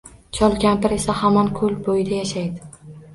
Chol-kampir esa hamon koʼl boʼyida yashaydi.